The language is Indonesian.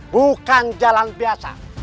bukan jalan biasa